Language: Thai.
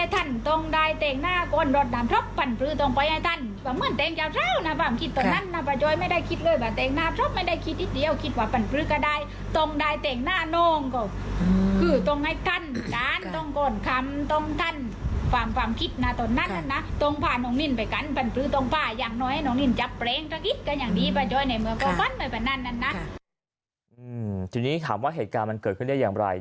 ทีนี้ถามว่าเหตุการณ์มันเกิดขึ้นได้อย่างไร